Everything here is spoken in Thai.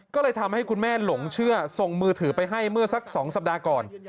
ก็เลยทำให้คุณแม่หลงเชื่อส่งมือถือไปให้เมื่อสัก๒สัปดาห์ก่อน